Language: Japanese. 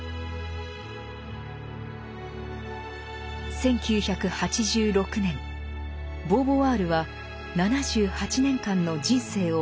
１９８６年ボーヴォワールは７８年間の人生を全うします。